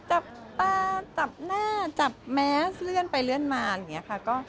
จับตาจับหน้าจับแมสเลื่อนไปเลื่อนมาอะไรอย่างนี้ค่ะ